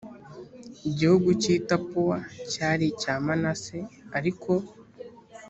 igihugu cy i tapuwa cyari icya manase ariko